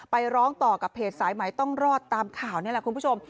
ร้องต่อกับเพจสายไหมต้องรอดตามข่าวนี่แหละคุณผู้ชม